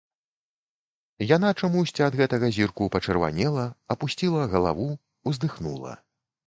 Яна чамусьці ад гэтага зірку пачырванела, апусціла галаву, уздыхнула.